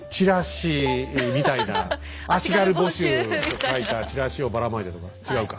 「足軽募集」って書いたチラシをばらまいたとか。